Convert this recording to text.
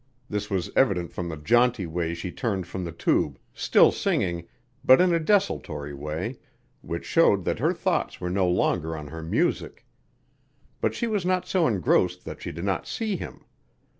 This was evident from the jaunty way she turned from the tube, still singing, but in a desultory way, which showed that her thoughts were no longer on her music. But she was not so engrossed that she did not see him.